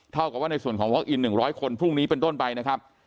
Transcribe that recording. เท่ากับว่าในส่วนของวอคอิน๑๐๐คนพรุ่งนี้เป็นต้นไปนะครับ